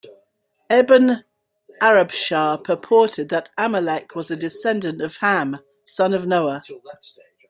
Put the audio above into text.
"Ebn Arabshah" purported that Amalek was a descendant of Ham, son of Noah.